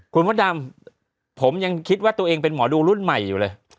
คุณมดดำผมยังคิดว่าตัวเองเป็นหมอดูรุ่นใหม่อยู่เลย